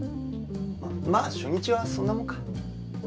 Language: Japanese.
ままあ初日はそんなもんか。